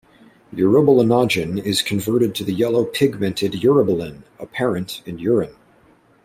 Urobilinogen is converted to the yellow pigmented urobilin apparent in urine.